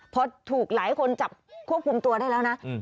พอถูกหลายคนจับควบคุมตัวได้แล้วนะ